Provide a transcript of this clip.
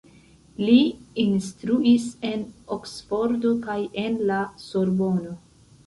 Li instruis en Oksfordo kaj en la Sorbono.